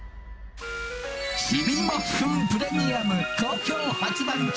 「ちびもっふんプレミアム好評発売中！」